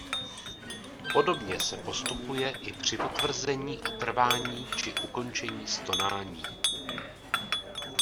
Podobně se postupuje i při potvrzení o trvání či ukončení stonání.